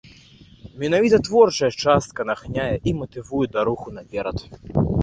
Менавіта творчая частка натхняе і матывуе да руху наперад.